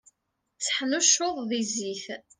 Tteḥnuccuḍ di zzit.